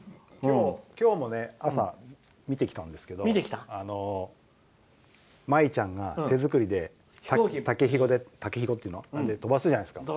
今日も朝、見てきたんですけど舞ちゃんが手作りで竹ひごで飛ばすじゃないですか。